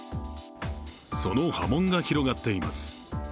その波紋が広がっています。